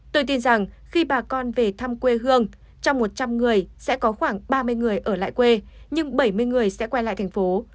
tôi tin rằng khi bà con về thăm quê hương trong một trăm linh người sẽ có khoảng ba mươi người ở lại quê nhưng bảy mươi người sẽ quay lại thành phố